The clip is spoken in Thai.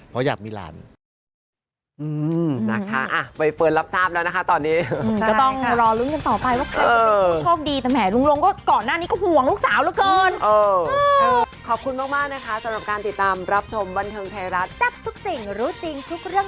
เพราะอยากมีหลาน